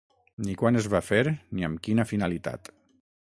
Ni quan es va fer ni amb quina finalitat.